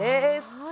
はい。